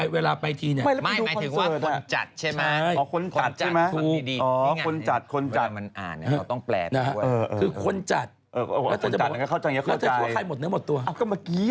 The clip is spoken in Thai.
เวลาไปที่เนี่ยใช่มั้ยคุณใจเปล่าใช่มั้ย